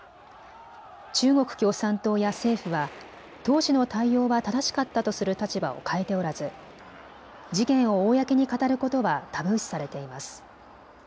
中国共産党や政府は当時の対応は正しかったとする立場を変えておらず事件を公に語ることはタブー視されています。